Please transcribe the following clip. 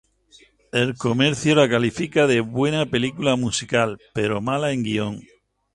El Comercio la califica de "buena película musical, pero mala en guión".